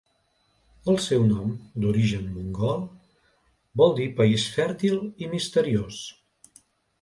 El seu nom, d'origen mongol, vol dir 'país fèrtil i misteriós'.